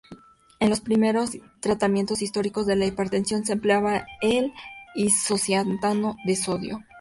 En los primeros tratamientos históricos de la hipertensión se empleaba el isocianato de sodio.